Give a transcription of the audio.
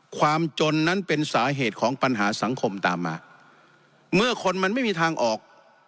ความจนนั้นเป็นสาเหตุของปัญหาสังคมตามมาเมื่อคนมันไม่มีทางออก